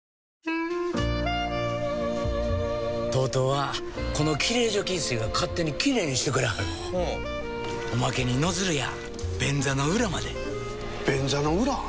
ＴＯＴＯはこのきれい除菌水が勝手にきれいにしてくれはるほうおまけにノズルや便座の裏まで便座の裏？